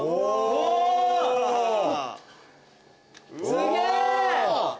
すげえ！